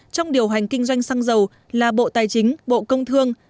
trong điều hành kinh doanh xăng dầu là bộ tài chính bộ công thương